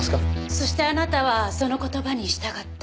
そしてあなたはその言葉に従った。